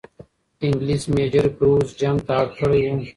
انګلیس میجر بروز جنگ ته اړ کړی وو.